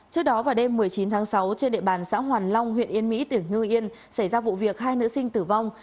trước đó vào đêm một mươi chín tháng sáu trên địa bàn xã hoàn long huyện yên mỹ tỉnh hương yên xảy ra vụ việc hai nữ sinh tử vong